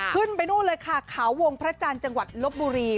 ขึ้นไปนู่นเลยค่ะเขาวงพระจันทร์จังหวัดลบบุรี